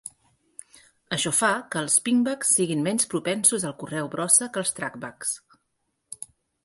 Això fa que els pingbacks siguin menys propensos al correu brossa que els trackbacks.